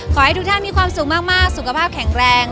ขอให้ทุกท่านมีความสุขมากสุขภาพแข็งแรง